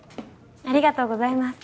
ありがとうございます。